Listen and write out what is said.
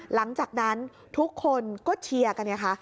หลังจากนั้นทุกคนก็เชียร์กันไงคะ